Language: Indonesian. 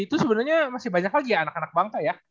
itu sebenarnya masih banyak lagi ya anak anak bangsa ya